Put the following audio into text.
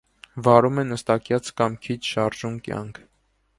Վարում է նստակյաց կամ քիչ շարժուն կյանք։